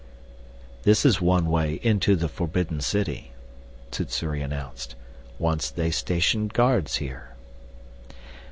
"This is one way into the forbidden city," Sssuri announced. "Once they stationed guards here."